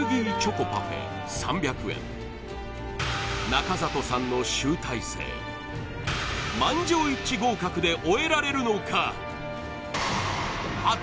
中里さんの集大成満場一致合格で終えられるのか？